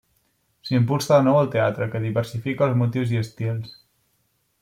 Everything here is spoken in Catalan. S'impulsa de nou el teatre, que diversifica els motius i estils.